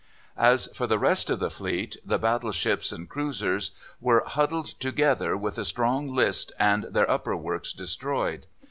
As for the rest of the fleet, the battleships and cruisers were huddled together with a strong list and their upper works destroyed.